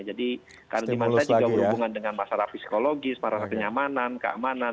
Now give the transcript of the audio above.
jadi karena demand side juga berhubungan dengan masalah psikologis masalah kenyamanan keamanan